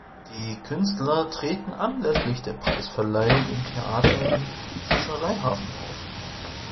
Die Künstler treten anlässlich der Preisverleihung im Theater im Fischereihafen auf.